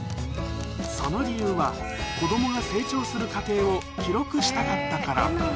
その理由は、子どもが成長する過程を、記録したかったから。